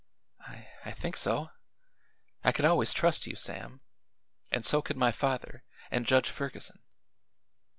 "I I think so. I could always trust you, Sam. And so could my father, and Judge Ferguson."